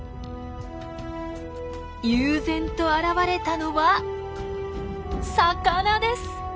悠然と現れたのは魚です！